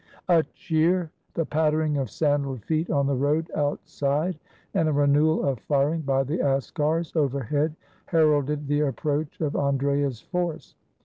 A cheer, the pattering of sandaled feet on the road out side, and a renewal of firing by the askars overhead, her alded the approach of Andrea's force.